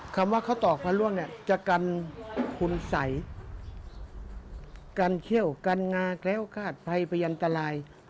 คำว่าข้าวต่อพระร่วงจะกันขุนใสกันเขี้ยวกันงาแคล้วคาดภัยพยันตราย